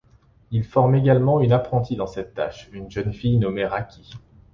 Il forme également une apprentie dans cette tâche, une jeune fille nommée Raki.